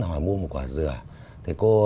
hỏi mua một quả dừa thì cô